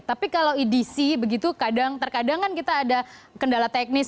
tapi kalau edc begitu terkadang kan kita ada kendala teknis